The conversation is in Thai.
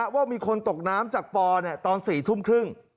ว่ามีคนตกน้ำจากปอตอน๔ทุ่มครึ่ง